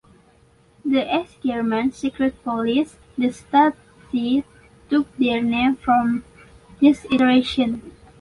The East German secret police, the Stasi, took their name from this iteration.